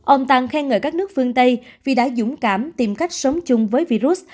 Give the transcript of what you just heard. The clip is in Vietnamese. ông tăng khen ngợi các nước phương tây vì đã dũng cảm tìm cách sống chung với virus